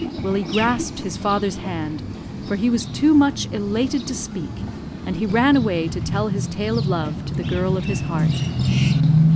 "Willie grasped his father's hand, for he was too much elated to speak, and he ran away to tell his tale of love to the girl of his heart.